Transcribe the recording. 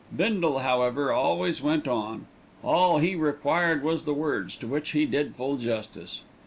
Bindle, however, always went on. All he required was the words, to which he did full justice.